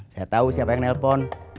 saya tahu siapa yang nelpon